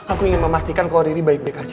aku ingin memastikan kalau riri baik bkc